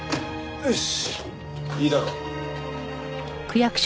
よし。